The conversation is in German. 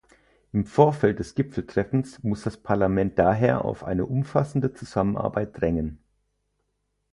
Im Vorfeld des Gipfeltreffens muss das Parlament daher auf eine umfassende Zusammenarbeit drängen.